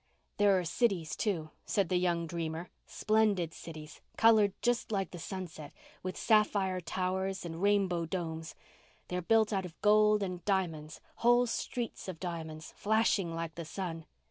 "There are cities, too," said the young dreamer, "splendid cities—coloured just like the sunset, with sapphire towers and rainbow domes. They are built of gold and diamonds—whole streets of diamonds, flashing like the sun.